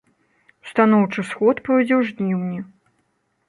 Устаноўчы сход пройдзе ў жніўні.